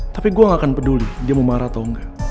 tapi gue gak akan peduli dia mau marah atau enggak